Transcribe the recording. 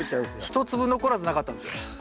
一粒残らずなかったんですよ。